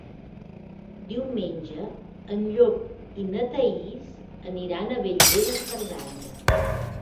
Diumenge en Llop i na Thaís aniran a Bellver de Cerdanya.